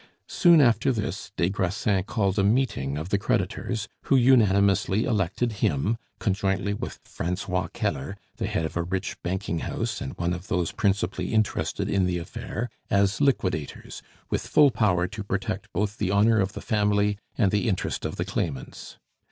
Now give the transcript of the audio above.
Soon after this, des Grassins called a meeting of the creditors, who unanimously elected him, conjointly with Francois Keller, the head of a rich banking house and one of those principally interested in the affair, as liquidators, with full power to protect both the honor of the family and the interests of the claimants.